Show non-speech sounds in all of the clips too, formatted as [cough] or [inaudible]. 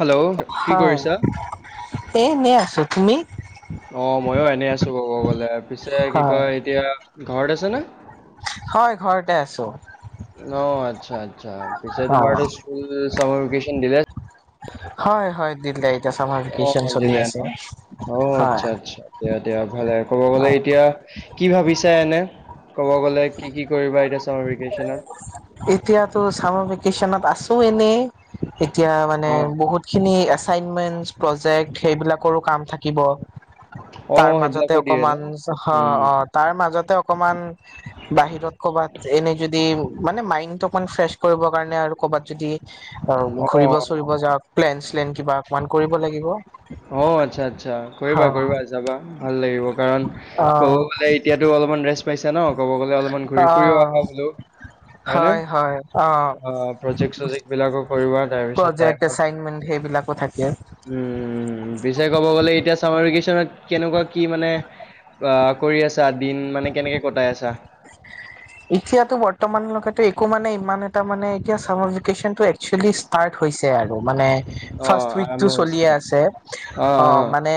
Hello কি কৰিছা এই এনে আছো তুমি ব গলে পিছে কি হয় কয় এতিয়া ঘৰত আছেনে হয় ঘৰতে আছো অ', আচ্ছা আচ্ছা পিছে অ তোমাৰ স্কুল চামাৰভেকেশন দিলে হয় হয় দিলে এতিয়া চামাৰ অ ভেকেচন চলি দিলে আছে ন অ হয় আচ্ছা আচ্ছা দিয়া দিয়া ভালে ক'ব গ'লে এতিয়া কি ভাবিছা এনে ক'ব গ'লে কি কি কৰিবা এতিয়া চামাৰ ভেকেশ্যনত এতিয়াতো চামাৰ ভেকেশচনত আছো এনেই এতিয়া মানে অ', বহুত খিনি এচাইণ্টমেণ্ট প্ৰজেক্ট সেইবিলাকৰো কাম থাকিব তাৰ অ', মাজতে সেইবিলাকো দিয়ে ন? অকমান অ উম, অ তাৰ মাজত অকমান বাহিৰত কৰ'বাত এনে যদি মানে মাইণ্ডটো অকমান ফ্ৰেচ কৰিব কাৰণে আৰু ক'বাত যদি অ', ঘূৰিব অ'। চুৰিব যাও প্লেনচ [unintelligible] প্লেন কিবা অকমান কৰিব লাগিব অ আচ্ছা আচ্ছা কৰিবা অ কৰিবা যাবা ভাল লাগিব কাৰণ ক'ব অ', গলে এতিয়াতো অলপমান ৰেষ্ট পাইছা ন কব গ'লে অলপমান ঘূৰি ফুৰিও অ আহা বোলো। হয়নে, হয়, হয়, অ প্ৰজেক্ট চজেক্ট বিলাকো কৰিবা তাৰপিছত টাইমত এইবিলাকো থাকে। উম। উম পিছে ক'ব গ'লে এতিয়া চামাৰ ভেকেচনত কেনেকোৱা কি মানে অ কৰি আ ছা দিন মানে কেনেকে কটাই আছা? এতিয়াতো বৰ্তমানলৈকেতো একো মানে ইমান এটা মানে এতিয়া চামাৰ ভেকেচনটো একচুৱেলি ষ্টাৰ্ট হৈছে আৰু। মানে অ' ফাৰ্ষ্ট উইকটো আৰম্ভ চলিয়ে হৈছেহে। আছে, অ মানে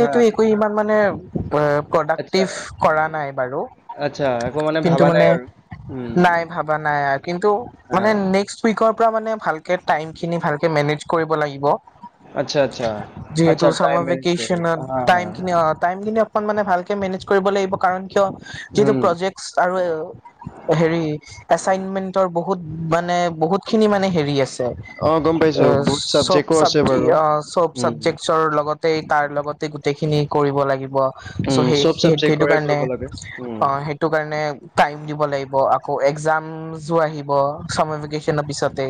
হা, একো ইমান মানে আ আচ্ছা, প্ৰডাক্টিভ কৰা নাই বাৰু। আচ্ছা একো মানে ভাবা নাই আৰু। উম, নাই ভাৱা নাই আও কিন্তু আ, মানে নেক্সট উইকৰ পৰা মানে ভালকে টাইমখিনি ভালকে মেনেজ কৰিব লাগিব। আচ্ছা আচ্ছা। আচ্ছা যিহেতু টাইম চামাৰ মেনেজ কৰি, ভেকেশ্যনত হা, হা, টাইমখিনি অ টাইমখিনি অকমান ম ভালকে মেনেজ কৰিব লাগিব কাৰণ কিয় যিটো উম। প্ৰজেক্টচ আৰু হেৰি এচাইনমেন্টৰ বহু ত মানে বহুতখিনি মানে হেৰি আছ অ গম পাইছো বহুত চাবজেক্টো চব-চাব আছে বাৰু। আ, চব উম। চাবজেক্টছৰ লগতে তাৰ লগতে গোটেইখিনি কৰিব লাগিব, উম চ' চব সেই-সেই সেইটো চাবজেক্টৰে কাৰণে। কৰিব লাগে। উম। অ', সেইটো কাৰণে টাইম দিব লাগিব আকৌ, একজামো আহিব। চামাৰ ভেকেশচনৰ পিছতে।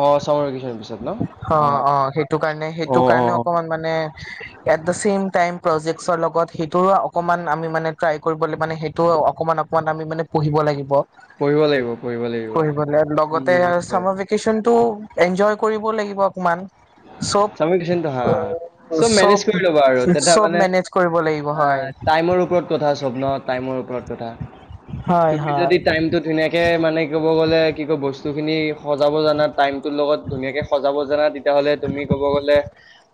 অ চামাৰ ভেকেচনৰ পিছত ন? অ' অ', সেইটো কাৰণে অ সেইটো অ। কাৰণে অকমান মানে এট দা চেম টাইম প্ৰজেক্টছৰ লগত সেইটোৰ অকণমান আমি মানে ট্ৰাই কৰিবলৈ মানে সেই তো অকমান-অকমান আমি মানে পঢ়িব লাগিব। পঢ়িব লাগিব। পঢ়িব লাগিব। পঢ়িবলৈ লগতে উম। সেইটোৱে চামাৰ ভেকচনটো এনজয় কৰিব লাগিব। অকমান চব চামাৰ ভেকেচনটো হা', চব মেনেজ কৰি ল'বা আৰু তাতে চব মানে মেনেজ কৰিব লাগিব আহ হয় আ টাইমৰ ওপৰত কথা চ'ব ন টাইমৰ ওপৰত। কথা, হয় তুমি যদি হয় টাইমটো ধুনীয়াকে মানে, ক'ব গলে কি কৈ বস্তু খিনি সজাব জানা টাইমটোৰ লগত ধুনীয়াকে সজাব জানা তেতিয়াহলে তুমি কব গলে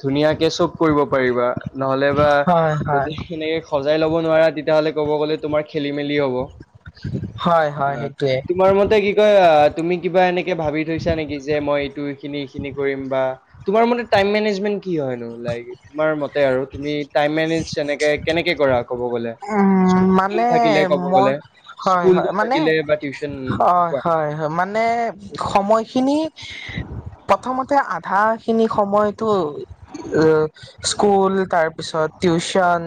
ধুনীয়াকে চব কৰিব পাৰিবা নহলে বা হয় হয় যদি সেনেকে সজাই লব নোৱাৰা, তেতিয়াহলে ক'ব গলে তোমাৰ খেলি মেলি হব। হয়। হয় অ', সেইটোৱে তোমাৰ মতে কি কয় আ, তুমি কিবা এনেকে ভাবি থৈছা নেকি যে মই এইটো খিনি খিনি কৰিম বা তোমাৰ মতে টাইম মেনেজমেণ্ট কি হয়নো? লাইক তোমাৰ মতে আৰু তুমি টাইম মেনেজ তেনেকে কেনেকে কৰা? ক'ব গলে, উম স্কুল টোল মানে থাকিলে ক'ব গ'লে, মই স্কুল টোল থাকিলে বা টিউচন কোৱা হয়-হয়। মানে সময়খিনি, প্ৰথমতে আধা সেইখিনি সময়ত ত অ স্কুল তাৰপিছত টিউচন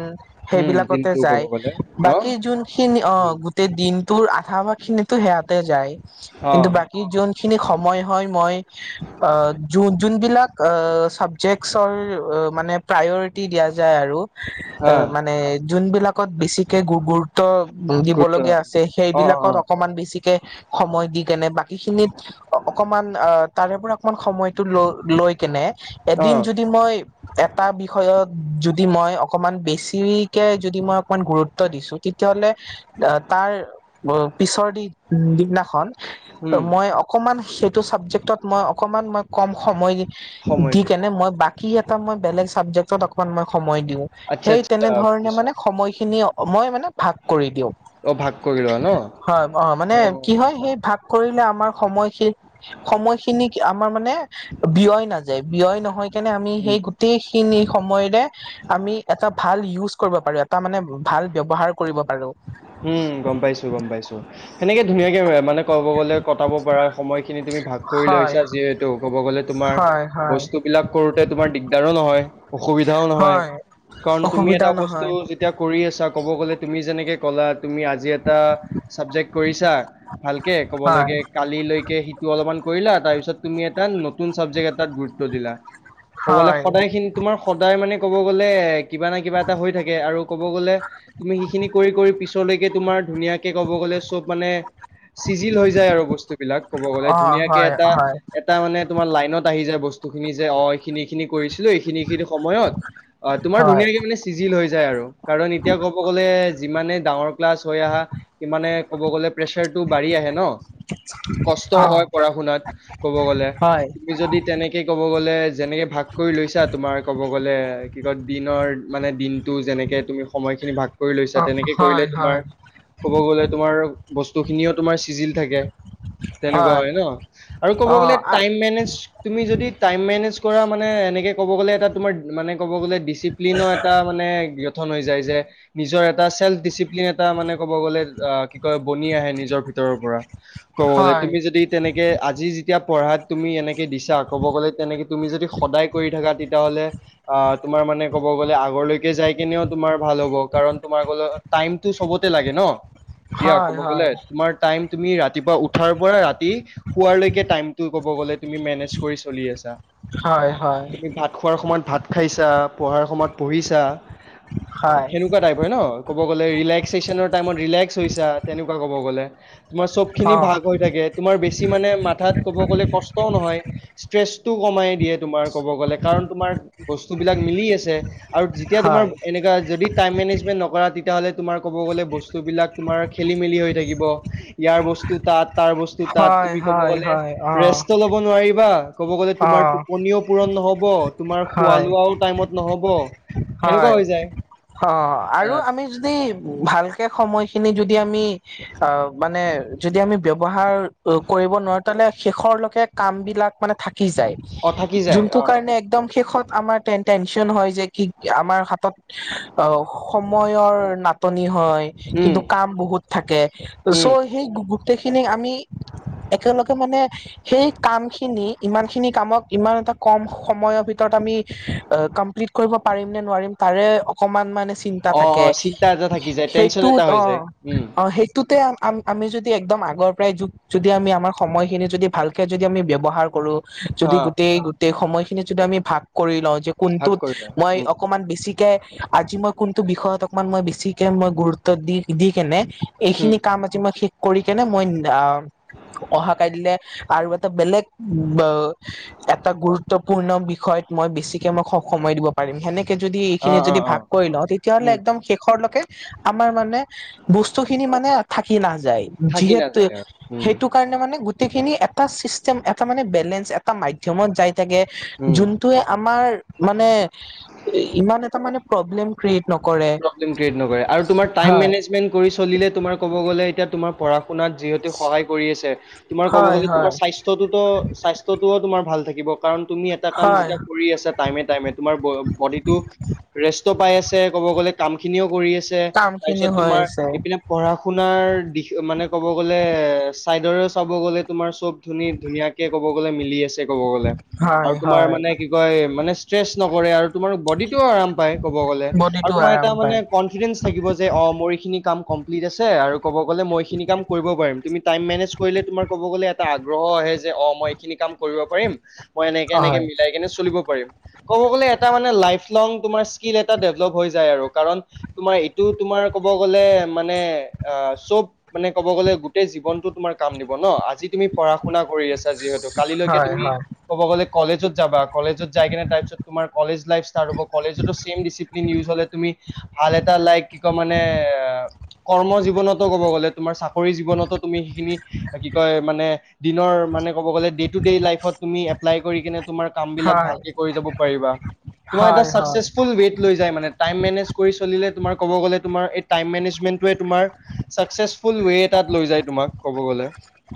উম সেইবিলাক দিনটো চাই ক'ব গ'লে ন বাকী যোনখিনি অ, উম, গোটেই দিনটোৰ আধা বা খিনিতো সেয়াতে যায়। অ কিন্তু বাকীজন যোনখিনি সময় হৈ মই আ, যো - যোনবিলাক আ, চাবজেক্টচৰ মানে প্ৰায়ৰিতী দিয়া যায় আৰু আ হা মানে যোনবিলাক কত বেছিকে গু-গুৰুত্ব দিব গুৰুত্ব লগা আছে অ অ সেইবিলাকত অ অকমান বেছিকে সময় দি কেনে বাকী খিনিত অকমান তাৰে পৰা অকমান সময়তো লৈ কেনে অ, এদিন যদি মই এটা বিষয়ত যদি মই অকমান বেছি কে যদি মই অকণমান গুৰুত্ব দিছো তেতিয়াহলে আ তাৰ পিছৰ দিনাখন উম মই অ কমান সেইটো চাবজেক্টত মই অকমান মই কম সময় সময় দি দিয়া কেনে মই বাক কি এটা মই বেলেগ চাবজেক্টত অকনমান মই সময় দিওঁ, আচ্ছা সেই আচ্ছা তেনেধৰণে বুজিছো মানে সময় খিনি মই মানে ভাগ কৰি দিওঁ। অ ভাগ কৰি লোৱা ন হয় অ মানে কি হয়, সেই ভাগ কৰিলে আমাৰ সময়খিন সময়খিনি আমাৰ মানে ব্যয় নাযায়, ব্যয় নহয় কেনে আমি উম হেই গুতেই খিনি সময়ৰে আমি এটা ভাল ইউজ কৰিব পাৰো, এটা মানে ভাল ব্যৱহাৰ কৰিব পাৰো। উম গম পাইছো-গম পাইছো। সেনেকে ধুনীয়াকে মানে, ক'ব গ'লে কটাব পাৰ সময় খিনি তুমি ভাগ কৰি হয় লৈছা যিহেতু ক'ব গ'লে তোমাৰ হয় হয় বস্তু বিলাক কৰোতে তোমাৰ দিগদাৰো নহয়। অসুবিধাও নহয়। হয় কাৰণ তুমি অসুবিধা এটা বস্তু নহয় যেতিয়া কৰি আছা ক'ব গ'লে তুমি যেনেকে ক'লা তুমি আজি এটা চাবজেক্ট কৰিছা ভালকে হয় ক'বলৈকে কালিলৈকে সিটো অলপমান কৰিলা, তাৰপিছত তুমি এটা নত নতুন চাবজেক্ট এটাত গুৰুত্ব দিলা। ক'ব গলে হয় সদায় খিনি তোমাৰ সদায় মানে ক'ব গ'লে কিবা না কিবা এটা হৈ থাকে আৰু ক'ব গ'লে তুমি সেইখিনি কৰি-কৰি পিছলৈকে তোমাৰ ধুনীয়াকৈ ক'ব গ'লে চব মানে চিজিল হৈ যায় আৰু বস্তু বিলাক ক'ব গ'লে অ', ধুনীয়াকে হয়, হয়, এটা-এটা মানে তোমাৰ লাইনত আহি যায় বস্তু বস্তু খিনি যে অঁ এই খিনি খিনি কৰিছিলো এইখিনি খিনি সময়ত অঁ তোমাৰ হয়, ধুনীয়াকে মানে চিজিল হৈ যায় আৰু কাৰণ এতিয়া ক'ব গ'লে যিমানে ডাঙৰ ক্লাছ হৈ আহা সিমানে ক'ব গ'লে প্ৰেচাৰটো বাঢ়ি আহে ন। কষ্ট অ', হয় পঢ়া শুনাত কব গ'লে হয়, তুমি যদি তেনেকে ক'ব গলে যেনেকে ভাগ কৰি লৈছা তোমাৰ ক'ব গ'লে কি কয় দিনৰ মানে দিন তো যেনেকে তুমি সময় খিনি ভাগ কৰি লৈছা অ', তেনেকে কৰিলে হয়, তোমাৰ হয়, ক'ব গলে তোমাৰ বস্তু খিনিওঁ তোমাৰ চিজিল থাকে। তেনেকুৱা হয় ন আৰু ক'ব গলে অ', আ, টাইম মেনেজ তুমি যদি টাইম মেনেজ কৰা মানে এনেকে কব গলে এটা মানে কব গলে এটা ডিচিপ্লিন এটা মানে ঠন হৈ যায় যে নিজৰ এটা চেলপ্ ডিচিপ্লিন এটা মানে কব গলে আ কি কয় বনি আহে নিজৰ ভিতৰৰ পৰা ক'বলে হয়, তুমি যদি তেনেকে আজি যেতিয়া পঢ়াত তুমি এনেকে দিছা ক'ব গ'লে তেনেকে তুমি যদি সদায় কৰি থাকা তেতিয়াহ'লে আহ তোমাৰ মানে ক'ব গলে আগলৈকে যাই কেনেও তোমাৰ ভাল হ'ব কাৰণ তোমাৰ টাইমটো চবতে লাগে ন এতিয়া হয়, ক'ব গ'লে হয়, তোমাৰ টাইম তুমি ৰাতিপুৱা উঠাৰ পৰা ৰাতি হোৱালৈকে টাইমটো ক'ব গ'লে তুমি মেনেজ কৰি চলি আছা। হয়, হয়, তুমি ভাত খোৱাৰ সময়ত ভাত খাইছা, পঢ়াৰ সময়ত পঢ়িছা হয়, সেনেকুৱা টাইপ হয় ন। কব গ'লে ৰিলেক্স চিজেনৰ টাইমত ৰিলেক্স হৈছা তেনেকুৱা ক'ব গ'লে তোমাৰ চবখিনি অ', ভাগ হৈ থাকে তোমাৰ বেছি মানে মাথাত ক'ব গ'লে কষ্টও নহয় ষ্ট্ৰেছ টো কমাই দিয়ে। তোমাৰ কব গ'লে কাৰণ তোমাৰ বস্তু বিলাক মিলি আছে আৰু যেতিয়া তোমাৰ হয়, এনেকা যদি টাইম মেনেজমেণ্ট নকৰা তেতিয়াহ'লে তোমাৰ ক'ব গ'লে বস্তু বিলাক তোমাৰ খেলি মেলি হৈ থাকিব ইয়াৰ বস্তু তাত তাৰ বস্তু তাত হয়, তুমি ক'ব হয়, গ'লে হয়, অ', ৰেষ্ট ল'ব নোৱাৰিবা ক'ব গ'লে তোমাৰ অ', টোপনিও পূৰণ নহ'ব তোমাৰ খোৱা হয়, লোৱাও টাইমত নহ'ব সেনেকুৱা হয় হৈ যায় অঁ আৰু আহ আমি যদি ভালকে সময়খিনি যদি আমি অঁ মানে যদি আমি ব্যৱহাৰ কৰিব নোৱাৰো তালে শেষৰলৈকে কাম বিলাক মানে থা- কি যায় অ থাকি যায় যোনটো অ কাৰণে একদম শেষত আমাৰ টে টেনচন হয় যে কিক আমাৰ হাতত অঁ সময়ৰ নাটনি হয়। উম কিন্তু কাম বহুত থাকে উম চ' সেই গোটেইখিনি আমি একেলগে মানে সেই কাম খিনি ইমান খিনি কামক ইমান এটা কম সময়ৰ ভিতৰত আমি কমপ্লিট কৰিব পাৰিম নে নোৱাৰিম তাৰে অকণমান মানে চিন্তা অ থাকে অ চিন্তা এটা থাকি যায় টেনচন এটা সেইটোত হৈ অঁ যায় উম অঁ সেইটোতে আম আমি যদি একদম আগৰ পৰাই য যদি আমি আমাৰ সময়খিনি যদি ভালকৈ যদি আমি ব্যৱহাৰ কৰোঁ, যদি অ গোটেই গোটেই সময় খিনিত যদি আমি ভাগ কৰি লওঁ যে ভাগ কোনটোত কৰি লওঁ মই উম অকমান বেছিকে আজি মই কোনটো বিষয়ত অকমান মই বেছিকে মই গুৰুত্ব দি দি কেনে উম এইখিনি কাম আজি মই সেশ কৰি কেনে মই অহা কাই দিলে আৰু এটা বেলেগ এটা গুৰুত্বপূৰ্ণ বিষয়। মই বেছিকে মই সময় দিব পাৰিম সেনেকে। যদি অ এইখিনি অ যদি অ ভাগ কৰি লওঁ তেতিয়াাহ'লে উম একদম শেষৰলৈকে আমাৰ মানে বস্তু খিনি মানে। থাকি নাযায়। থাকি নাযায় থাকি যিহেতো নাযায় আৰু উম সেইটো কাৰণে গোটেই খিনি এটা চিডিএম মানে এটা বেলেন্স। মাধ্মত যাই থাকে উম যোনটোৱে আমাৰ। মানে ইমান এটা মানে প্ৰব্লেম ক্ৰিয়েট। নকৰে ৰ্পবেলেম ক্ৰিয়েট নকৰে আৰু তোমাৰ টাইম হয় মেনেজমেন্ট কৰি চলিলে তোমাৰ ক'ব গ'লে এতিয়া তোমাৰ। শুনাত যিহেতু সহায় কৰি আছে তোমাৰ ক'ব হয় গ'লে তোমাৰ হয় স্বাস্থ্যটোতো স্বাস্থ্যত তোমাৰ। ভাল থাকিব। কাৰণ তুমি এটা কাম হয় যেতিয়া কৰি আছা টাইমে টাইমে তোমাৰ বডিটো ৰেষ্ট পাই আছে। ক'ব গ'লে কাম খিনিও কৰি আছে কাম তাৰ খিনি পিছত হৈ তোমাৰ আছে এইপিনে পঢ়া। আপোনাৰ মানে ক'ব গ'লে চাইডৰে চাব গ'লে তোমাৰ চব ধুন ধুনীয় ক'ব। ক'ব গ'লে ‌মিলি আছে ক'ব গ'লে আৰু হয় তোমাৰ হয় মানে কি কয় মানে ইষ্ট্ৰছ নকৰে আৰু। তোমাৰ বডিটোও আৰাম পায় ক'ব গ'লে, আৰু বডিটো তোমাৰ এটা আৰাম মানে পায় কনফিডে থাকিব যে অ মোৰ এইখিনি। কাম কমপ্লিট আছে আৰু ক'ব গ'লে মই খিনি। কাম কৰিব পাৰিম তুমি টাইম মেনেজ কৰিলে তোমাৰ ক'ব গ'লে এটা আগ্ৰহ আহে যে অ মই এইখিনি ক। কৰিব পাৰিম মই এনেকে এনেকে হয় মিলাই কিনে চলিব পাৰিম ক'ব গ'লে এটা মানে লাইফ। তোমাং তোমাৰ এটা স্কিল ডেভলপমেণ্টৰ। ডেভেলপ হ'য় যায় আৰু কাৰণ তোমাৰ এইটো তোমাৰ ক'ব গ'লে মানে অ চব মানে। ক'ব গ'লে গোটেই জীৱনতো তোমাৰ কাম দিব ন আজি। আজি তুমি পঢ়া শুনা কৰি আছা যিহেতু কালিলৈকে হয় তুমি হয় ক'ব গ'লেজত যাবা। কলেজত যাই কিনে তাৰপিছ তোমাৰ কলেজ লাইফ ষ্টাৰ হ'ব। কলেজতো চেম ডিচিপ্লিন। নিউজ তুমি ভাল এটা লাইক কি কয় মানে। কৰ্ম জীৱনতো ক'ব গ'লে তোমাৰ চাকৰি জীৱনতো তুমি সেইখিনি কি কয় মানে দিনৰ। মানে ক'ব গ'লে ডে টু ডে লাইফত তুমি এপ্লাই কিনে। তোমাৰ কাম বিলাক হয় ভালকে কৰি যাব পাৰিবা তোমাৰ এটা হয় হয় চাক্সেছফুল ৱেব। থাকি যায় মানে টাইম মেনেজ কৰি চলিলে তোমাৰ ক'ব গ'লে তোমাৰ এই টাইম মেনেজমেন্টৱে তোমাৰ চাক্সেছফুল। ৱে এটাত লৈ যায় তোমাক ক'ব গ'লে।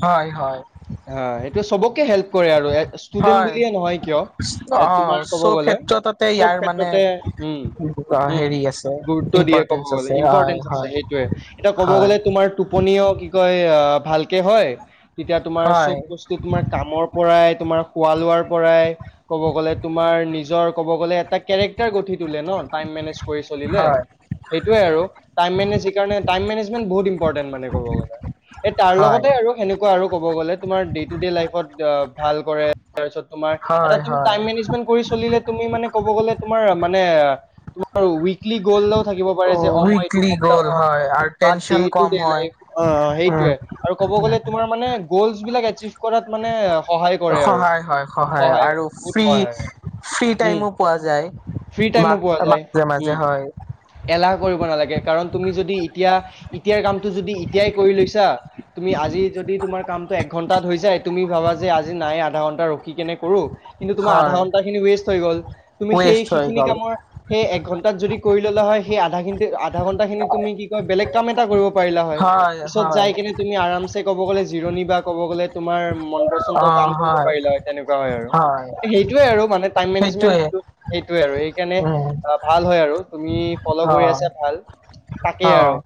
হয় হয়। হা সেইটোৱে চবকে হেল্প কৰে আৰু ষ্টুডেন্ট হয় বুলিয়ে নহয় কিয় এ অ তোমাৰ ক'ব চব গ'লে। ক্ষেত্ৰততে চব ইয়াৰ মানে ক্ষেত্ৰতে উম। অ উম হেৰি আছে গুৰুত্ব দিয়ে ক'ব ইম্পৰ্টেঞ্চ গ'লে আছে হয় ইম্পৰ্টেঞ্চ আছে হয় সেইটোয়ে এতিয়া ক'ব হয় গ'লে তোমাৰ। টোপনিও কি কয় ভালকে হয় তেতিয়া তোমাৰ চব হয় বস্তু তোমাৰ কামৰ পৰাই। তোমাৰ খোৱা লোৱাৰ পৰাই ক'ব গ'লে, তোমাৰ নিজৰ ক'ব গ'লে এটা কেৰেক্টাৰ গঠিত। তোলে টাইম মেনেজ কৰি চলিলে। হয় সেইটোৱে আৰু টাইম মেনেজ সেইকাৰণে বহুত ইম্পটেট মানে ক'ব গ'লে। এ তাৰ হয় লগতে আৰু সেনেকুৱা আৰু ক'ব গ'লে তোমাৰ ডে টু ডে লাইফত। ভাল কৰে তাৰপিছত তোমাৰ হয় এতিয়া হয় টাইম মেনেজমেন্ট কৰি চলিলে তুমি মানে ক'ব গ'লে তোমাৰ। মানে তোমাৰ ওৱিকলি গ'লেও থাকিব পাৰে যে মই এইটো উইকলি সপ্তা গ'ল অ। হয় আৰু বা ডে টেনচন টু কম ডে হয় লাইফ উম সেইটোৱেই আৰু ক'ব উম। গ'লে তোমাৰ মানে গলছ বিলাক। আৰছিভ কৰাত মানে। সহায় কৰে আৰু সহায় হয় সহায় আৰু হয় বহুত ফ্ৰী সহায় হয় ফ্ৰী উম। টাইমো পোৱা যায় ফ্ৰী মা টাইমো পোৱা যায় মাজে উ মাজে হয় এলাহ কৰিব নালাগে। কাৰণ তুমি যদি এতিয়া এতিয়াৰ কামটো যদি এতিয়াই কৰি লৈছা। তুমি আজি যদি তোমাৰ কামটো একঘণ্টাত হৈ যায় তুমি ভাবা যে। আজি নাই আধা ঘন্টা ৰখি কিনে কৰোঁ, কিন্তু তোমাৰ আধা হয় ঘন্টা খিনি ৱেষ্ট হৈ গ'ল তুমি সেই। ৱেষ্ট [unintelligible] হৈ সেইখিনি গ'ল কামৰ সেই এক ঘন্টাত যদি কৰি ললা হয়, সেই আধা আধা ঘন্টা খিনি তুমি কি কয় বেলেগ। [unintelligible] কাম এটা কৰিব পাৰিলা হয় পিছত যাই কিনে তুমি আৰামছে ক'ব গ'লে জিৰণি বা ক'ব গ'লে তোমাৰ। [unintelligible] ওম মন পচন্দ কাম কৰিব পাৰিলা হ'য়। তেনেকুৱা হয় আৰু সেইটোয়ে আৰু মানে টাইম সেইটোৱে মেনেজমেন্ট। এইটো আৰু সেইকাৰণে উম ভাল হয় আৰু তুমি ফল' অ কৰি আছা ভাল। তাকেই অ আৰু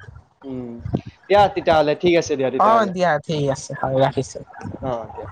উম দিয়া তেতিয়া হ'লে। ঠিক আছে দিয়া অ তেতিয়াহ'লে দিয়া ঠিক আছে হয় ৰাখিছো অ দিয়া।